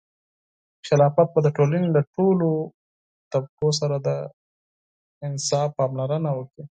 خلافت به د ټولنې له ټولو طبقو سره د انصاف پاملرنه وکړي.